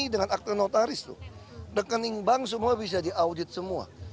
dengan ingbang semua bisa diaudit semua